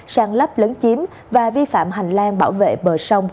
sàn lắp lớn chiếm và vi phạm hành lang bảo vệ bờ sông